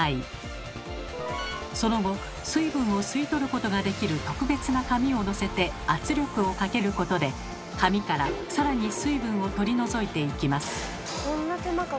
その後水分を吸い取ることができる特別な紙をのせて圧力をかけることで紙からさらに水分を取り除いていきます。